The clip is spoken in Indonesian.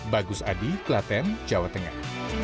bagus adi klaten jawa tengah